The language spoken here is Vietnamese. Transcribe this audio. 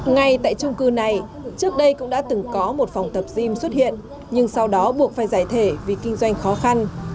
ngay tại trung cư này trước đây cũng đã từng có một phòng tập gym xuất hiện nhưng sau đó buộc phải giải thể vì kinh doanh khó khăn